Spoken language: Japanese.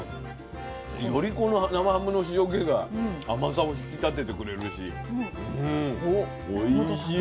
よりこの生ハムの塩気が甘さを引き立ててくれるしうんおいしい。